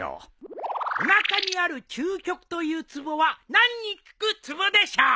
「おなかにある中極というツボは何に効くツボでしょう」